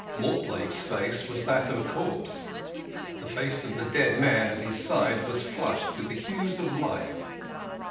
Mortlake's face was that of a corpse; the face of the dead man at his side was flushed with the hues of life.